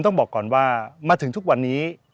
ต้องบอกก่อนว่ามาถึงทุกวันนี้